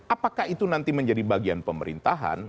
apakah itu nanti menjadi bagian pemerintahan